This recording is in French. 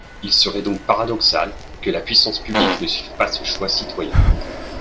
Il serait donc paradoxal que la puissance publique ne suive pas ce choix citoyen.